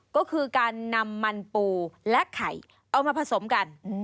ก็คือการนำมันปูและไข่เอามาผสมกัน